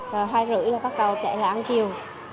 rồi hai rưỡi là bắt đầu trẻ lại ăn chiều